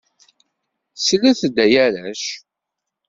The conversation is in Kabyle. Slet-d ay arrac!